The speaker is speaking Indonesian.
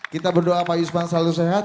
kita berdoa pak yusman selalu sehat